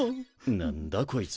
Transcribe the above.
何だこいつ。